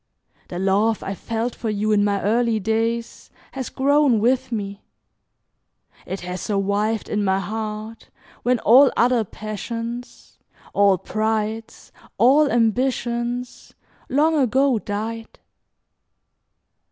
The love I felt for you in my early days has grown with me. It has survived in my heart when all other passions, all prides, all ambitions, long ago died.